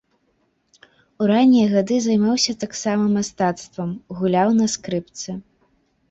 У раннія гады займаўся таксама мастацтвам, гуляў на скрыпцы.